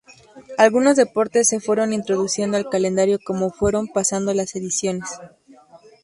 Algunos deportes se fueron introduciendo al calendario como fueron pasando las ediciones.